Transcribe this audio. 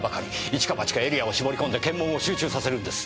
一か八かエリアを絞り込んで検問を集中させるんです。